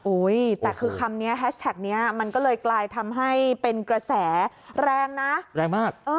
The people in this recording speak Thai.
แต่คือคำนี้แฮชแท็กนี้มันก็เลยกลายทำให้เป็นกระแสแรงนะแรงมาก